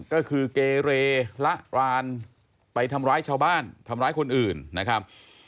ก็คือเกเรละรานไปทำร้ายชาวบ้านทำร้ายคนอื่นนะครับ